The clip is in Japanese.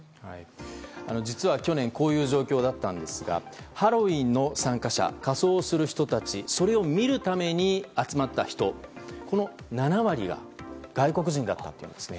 実は去年、こういう状況だったんですが、ハロウィーンの参加者、仮装する人たち、それを見るために集まった人、この７割が外国人だったっていうんですね。